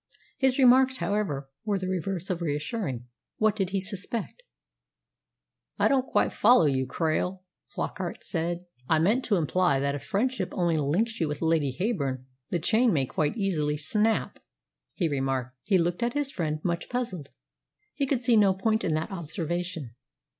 His remarks, however, were the reverse of reassuring. What did he suspect? "I don't quite follow you, Krail," Flockart said. "I meant to imply that if friendship only links you with Lady Heyburn, the chain may quite easily snap," he remarked. He looked at his friend, much puzzled. He could see no point in that observation.